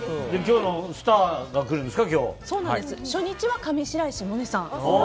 今日のスターが来るんですか初日は上白石萌音さん